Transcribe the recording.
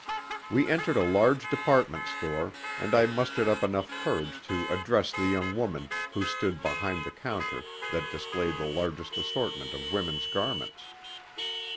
We entered a large department store, and I mustered up enough courage to address the young woman who stood behind the counter that displayed the largest assortment of women's garments.